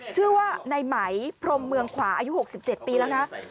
ชื่อว่าในไหมพรมเมืองขวาอายุ๖๗ปีแล้วนะ